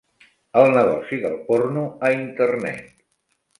El negoci del porno a internet.